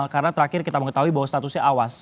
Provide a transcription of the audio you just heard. karena terakhir kita mau ketahui bahwa statusnya awas